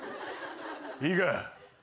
いいか？